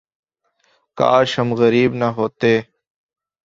کاش ہم غریب نہ ہوتے